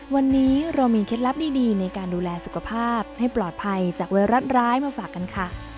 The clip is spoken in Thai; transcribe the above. วันนี้เรามีเคล็ดลับดีในการดูแลสุขภาพให้ปลอดภัยจากไวรัสร้ายมาฝากกันค่ะ